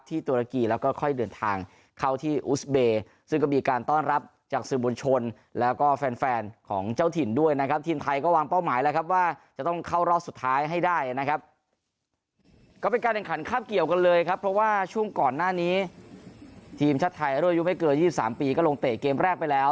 ตรงก่อนหน้านี้ทีมชาติไทยร่วมยุคไม่เกิน๒๓ปีก็ลงเตะเกมแรกไปแล้ว